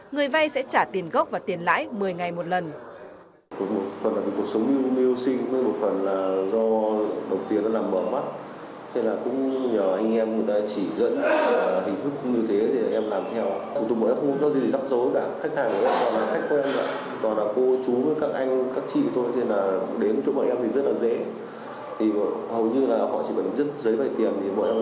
người vay sẽ trả tiền góp và tiền lãi một mươi ngày một lần